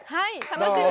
楽しみ。